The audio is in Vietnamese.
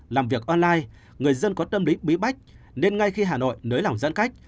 làm việc online người dân có tâm lý bí bách nên ngay khi hà nội nới lỏng giãn cách